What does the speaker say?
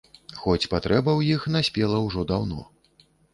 Хоць патрэба ў іх наспела ўжо даўно.